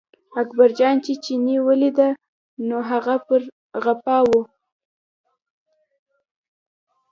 اکبرجان چې چیني ولیده، نو هغه په غپا و.